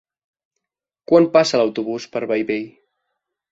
Quan passa l'autobús per Bellvei?